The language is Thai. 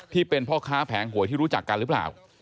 ที่เป็นพ่อค้าแผงหวยที่รู้จักกันหรือเปล่า